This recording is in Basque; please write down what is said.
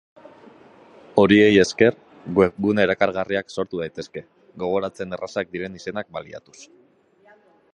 Horiei esker, webgune erakargarriak sortu daitezke, gogoratzen errazak diren izenak baliatuz.